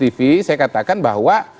tapi saya merasa terlihat sudah terlihat